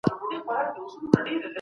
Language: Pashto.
انسان د کایناتو په قطار کي لوړ ځای لري.